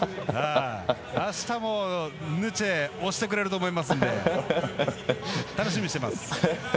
あしたも、ヌチェ押してくれると思いますんで楽しみにしています。